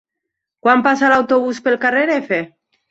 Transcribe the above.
Quan passa l'autobús pel carrer F?